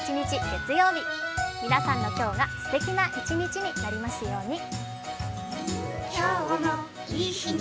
月曜日、皆さんの今日がすてきな一日になりますように。